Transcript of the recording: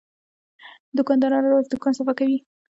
دوکاندار هره ورځ دوکان صفا کوي.